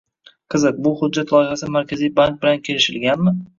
Qiziq, bu hujjat loyihasi Markaziy bank bilan kelishilganmi?